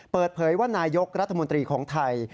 เปิดเผยว่านายกรัฐมนตรีของไทย